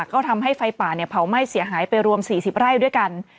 ก็ทำให้ไฟป่าเผาไหม้เสียหายไปรวม๔๐ไร่ด้วยกัน